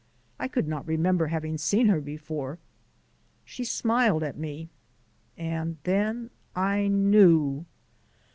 I could not remember having seen her before. She smiled at me and then I knew!